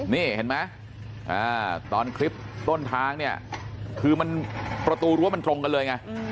นี่เห็นไหมตอนคลิปต้นทางเนี่ยคือมันประตูรั้วมันตรงกันเลยไง